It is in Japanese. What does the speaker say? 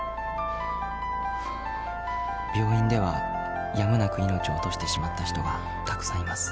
［病院ではやむなく命を落としてしまった人がたくさんいます］